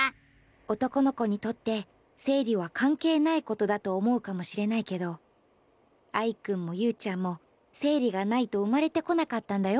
男の子にとって生理はかんけいないことだと思うかもしれないけどアイくんもユウちゃんも生理がないと生まれてこなかったんだよ。